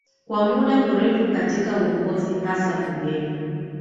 kwa muda mrefu katika uongozi hasa bungeni